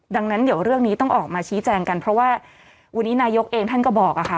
ดังนั้นเดี๋ยวเรื่องนี้ต้องออกมาชี้แจงกันเพราะว่าวันนี้นายกเองท่านก็บอกค่ะ